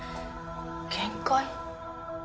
限界？